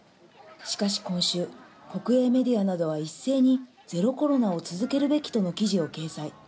しかし今週、国営メディアなどは一斉にゼロコロナを続けるべきとの記事を掲載。